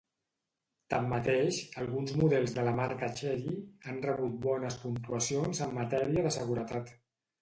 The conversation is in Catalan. Tanmateix, alguns models de la marca Chery han rebut bones puntuacions en matèria de seguretat.